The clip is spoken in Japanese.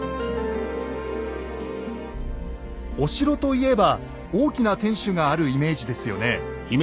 お城と言えば大きな天守があるイメージですよね。